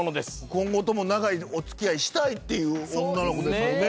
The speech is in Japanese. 今後とも長いお付き合いしたいっていう女の子ですもんね。